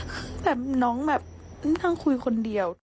แต่น้องแบบนั่งคุยคนเดียว